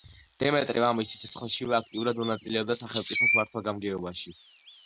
დემეტრე მამის სიცოცხლეშივე აქტიურად მონაწილეობდა სახელმწიფოს მართვა-გამგეობაში.